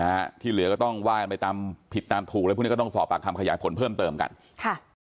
ฮะที่เหลือก็ต้องว่ากันไปตามผิดตามถูกอะไรพวกนี้ก็ต้องสอบปากคำขยายผลเพิ่มเติมกันค่ะ